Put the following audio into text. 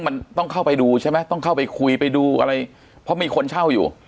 มันต้องเข้าไปดูใช่ไหมต้องเข้าไปคุยไปดูอะไรเพราะมีคนเช่าอยู่